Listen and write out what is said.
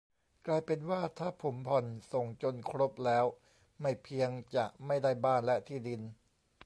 กลายเป็นว่าถ้าผมผ่อนส่งจนครบแล้วไม่เพียงจะไม่ได้บ้านและที่ดิน